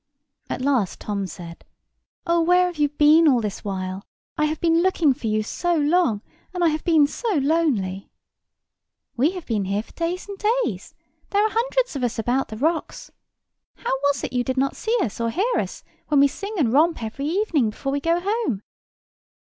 At last Tom said, "Oh, where have you been all this while? I have been looking for you so long, and I have been so lonely." "We have been here for days and days. There are hundreds of us about the rocks. How was it you did not see us, or hear us when we sing and romp every evening before we go home?"